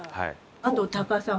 あとタカサゴさん。